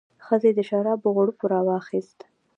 ښځې د شرابو غوړپ راواخیست.